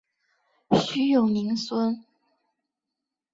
徐永宁孙。